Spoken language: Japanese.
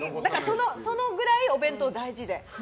そのぐらいお弁当大事で。